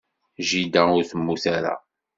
Jida ur temmut ara.